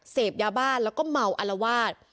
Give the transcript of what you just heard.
เสพยาบ้าแล้วก็เมาอลวาด